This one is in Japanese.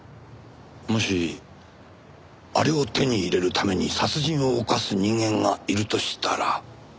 もしあれを手に入れるために殺人を犯す人間がいるとしたら。